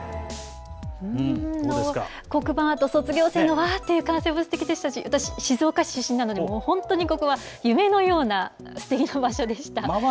黒板アート、卒業生のわーっていう歓声もすてきでしたし、私、静岡市出身ですので、もう本当にここは夢のようなすてきな場所でした。